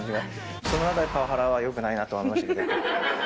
その中でパワハラはよくないなと思いましたけど。